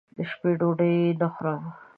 دشپې ډوډۍ نه خورم